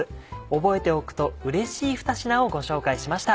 覚えておくとうれしい２品をご紹介しました。